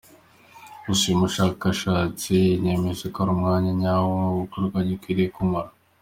Gusa uyu mushakashatsi ntiyemeje ko ari wo mwanya nyawo icyo gikorwa gikwiriye kumara.